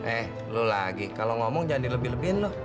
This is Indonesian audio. eh lu lagi kalo ngomong jangan dilebih lebihin lu